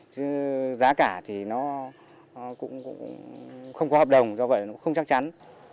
chứ giá cả thì nó cũng không có hợp đồng do vậy nó không chắc chắn